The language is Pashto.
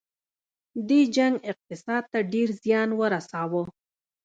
دې جنګ اقتصاد ته ډیر زیان ورساوه.